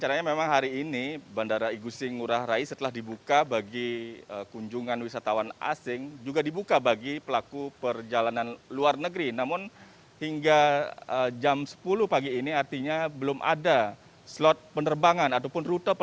selain maskapai garuda indonesia dan batik air singapura airlines sudah mengaktifkan kembali slot rute internasional mereka